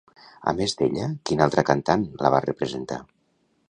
A més d'ella, quina altra cantant la va representar?